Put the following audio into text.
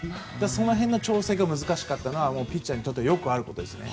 その辺の調整が難しかったのはピッチャーにとってよくあることです。